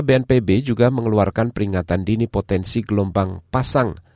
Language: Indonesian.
bencana bnpb juga mengeluarkan peringatan dini potensi gelombang pasang